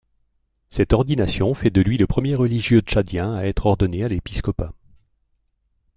Cette ordination fait de lui le premier religieux tchadien à être ordonné à l'épiscopat.